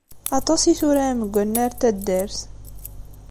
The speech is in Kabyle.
Aṭas i turarem deg wannar n taddart.